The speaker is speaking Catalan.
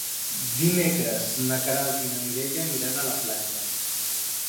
Dimecres na Queralt i na Mireia aniran a la platja.